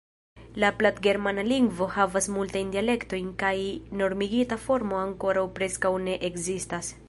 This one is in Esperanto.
La platgermana lingvo havas multajn dialektojn kaj normigita formo ankoraŭ preskaŭ ne ekzistas.